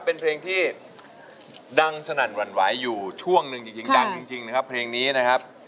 เป็นเพลงที่ดังสนั่นหวั่นไหวอยู่ช่วงหนึ่งจริงดังจริงนะครับเพลงนี้นะครับ